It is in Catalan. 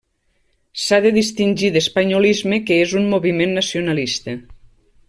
S'ha de distingir d'espanyolisme que és un moviment nacionalista.